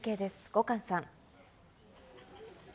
後閑さん。